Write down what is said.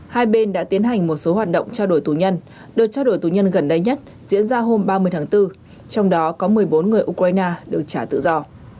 hai bên đã tiến hành một số hoạt động trao đổi tù nhân đợt trao đổi tù nhân gần đây nhất diễn ra hôm ba mươi tháng bốn trong đó có một mươi bốn người ukraine được trả tự do